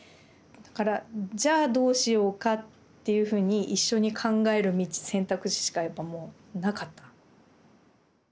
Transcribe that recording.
だから「じゃあどうしようか」っていうふうに一緒に考える道選択肢しかやっぱもうなかった。